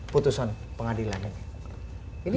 putusan pengadilan ini